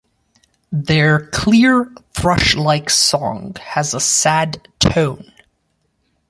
Their clear thrush-like song has a sad tone.